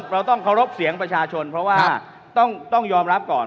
เราต้องเคารพเสียงประชาชนเพราะว่าต้องยอมรับก่อน